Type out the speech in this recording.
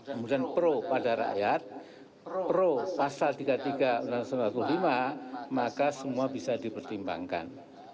kemudian pro pada rakyat pro pasal tiga puluh tiga undang undang seribu sembilan ratus sembilan puluh lima maka semua bisa dipertimbangkan